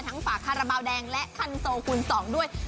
ทั้งฝากคาราบาลแดงและคันโซคุณสองด้วย